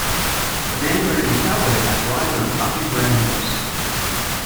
A man wearing a cowboy hat rides on a bucking brown horse.